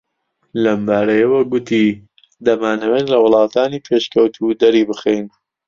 لەمبارەیەوە گوتی دەمانەوێت لە وڵاتانی پێشکەوتوو دەری بخەین